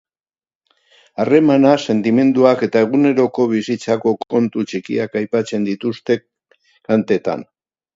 Harremanak, sentimenduak eta eguneroko bizitzako kontu txikiak aipatzen dituzte kantetan.